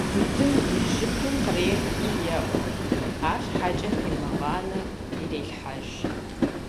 Тутын и жыпым кърехри еӀуэт, арщхьэкӀэ пимыгъанэу ирелъхьэж.